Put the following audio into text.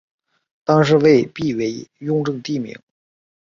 当是为避讳雍正帝名。